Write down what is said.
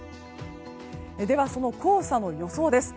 では、その黄砂の予想です。